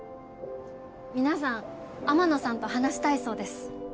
皆さん天野さんと話したいそうです